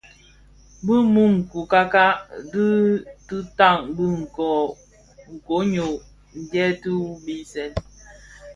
Bi mü coukaka dhi tihaň dhi koň nyô-ndhèti wu bisèè.